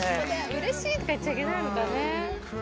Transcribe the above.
うれしいとか言っちゃいけないのかね？